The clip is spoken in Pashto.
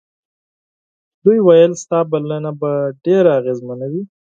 دوی وویل ستا بلنه به ډېره اغېزمنه وي.